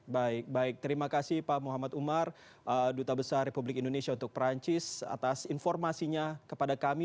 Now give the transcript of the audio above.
baik baik terima kasih pak muhammad umar duta besar republik indonesia untuk perancis atas informasinya kepada kami